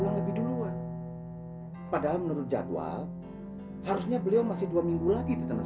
pulang lebih duluan padahal menurut jadwal harusnya beliau masih dua minggu lagi di tengah